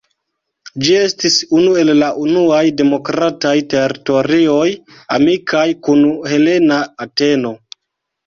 Ĝi estis unu el la unuaj demokrataj teritorioj amikaj kun helena Ateno.